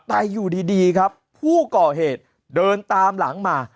แต่อยู่ดีครับผู้ก่อเหตุเดินตามหลังมา